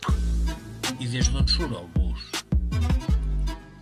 I des d'on surt el bus?